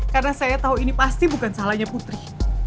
karena saya tau ini pasti bukan salahnya putri